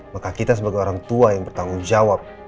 maka kita sebagai orang tua yang bertanggung jawab